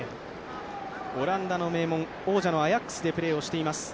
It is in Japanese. オランダの名門、王者のアヤックスでプレーをしています